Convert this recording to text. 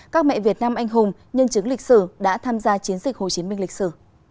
các mẹ việt nam anh hùng nhân chứng lịch sử đã tham gia chiến dịch hồ chí minh lịch sử